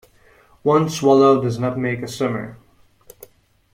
One swallow does not make a summer.